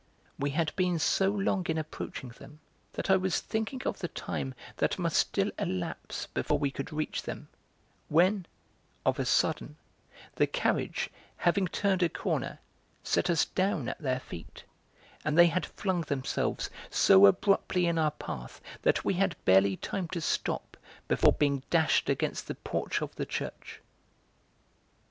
We had been so long in approaching them that I was thinking of the time that must still elapse before we could reach them when, of a sudden, the carriage, having turned a corner, set us down at their feet; and they had flung themselves so abruptly in our path that we had barely time to stop before being dashed against the porch of the church.